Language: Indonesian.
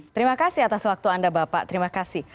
terima kasih atas waktu anda bapak terima kasih